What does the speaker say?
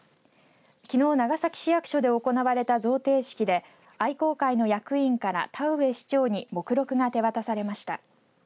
きのう長崎市役所で行われた贈呈式で愛好会の役員から田上市長に目録が手渡されました。